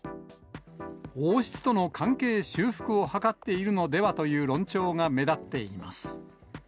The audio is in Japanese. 王室との関係修復を図っているのではという論調が目立っています。